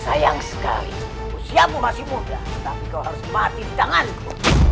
sayang sekali usiamu masih muda tapi kau harus mati di tanganku